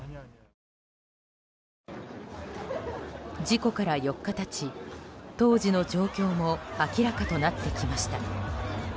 事故から４日経ち当時の状況も明らかとなってきました。